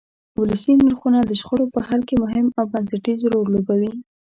ولسي نرخونه د شخړو په حل کې مهم او بنسټیز رول لوبوي.